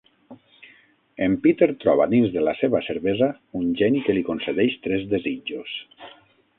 En Peter troba dins de la seva cervesa un geni que li concedeix tres desitjos.